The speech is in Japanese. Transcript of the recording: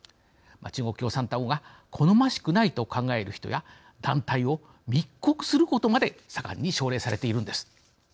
中国共産党が好ましくないと考える人や団体を密告することまで盛んに奨励されているんです。